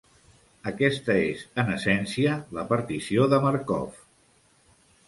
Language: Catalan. Aquesta és, en essència, la partició de Markov.